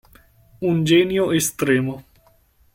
Un genio estremo.